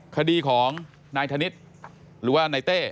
คดีของนายธนิษฐ์หรือว่านายเต้